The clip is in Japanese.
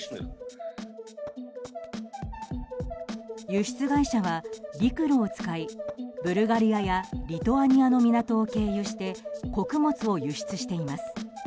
輸出会社は陸路を使いブルガリアやリトアニアの港を経由して穀物を輸出しています。